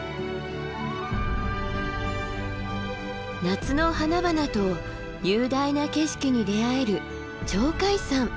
夏の花々と雄大な景色に出会える鳥海山。